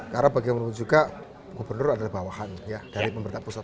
karena bagi saya menurut saya juga gubernur adalah bawahan dari pemerintah pusat